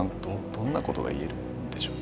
どんなことが言えるでしょう？